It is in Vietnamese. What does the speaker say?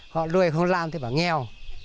họ lùi không làm thì bảo nghèo